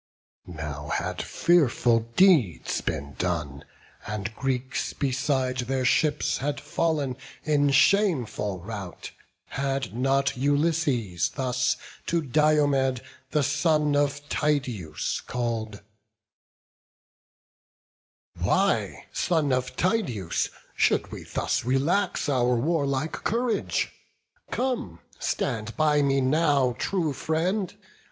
Now had fearful deeds Been done, and Greeks beside their ships had fall'n In shameful rout, had not Ulysses thus To Diomed, the son of Tydeus, call'd: "Why, son of Tydeus, should we thus relax Our warlike courage? come, stand by me now, True friend!